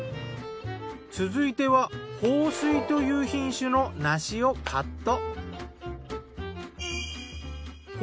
続いては豊水という品種の梨をカット。